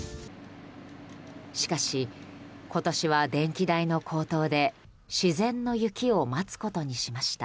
しかし、今年は電気代の高騰で自然の雪を待つことにしました。